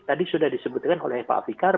tadi sudah disebutkan oleh pak fikar